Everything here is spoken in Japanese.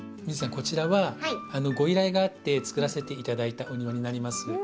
こちらはご依頼があってつくらせて頂いたお庭になります。